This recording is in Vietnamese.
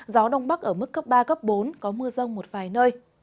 gió đông bắc ở mức cấp ba cấp bốn có mưa rông một vài nơi